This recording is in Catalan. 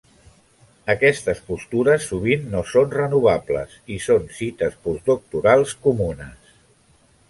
Aquestes postures sovint no són renovables i són cites postdoctorals comunes.